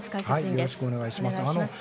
よろしくお願いします。